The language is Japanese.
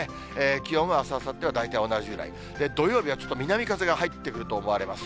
気温はあす、あさっては大体同じぐらい、土曜日はちょっと南風が入ってくると思われます。